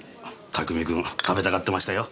拓海君食べたがってましたよ。